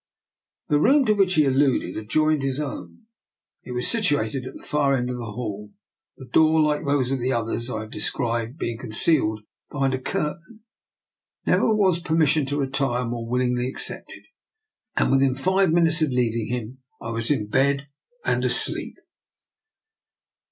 The room to which he alluded adjoined his own, and was situated at the far end of the hall, the door, like those of the others I have described, being concealed behind a curtain. Never was permission to retire more willingly accepted, and within five minutes of leaving him I was in bed and asleep.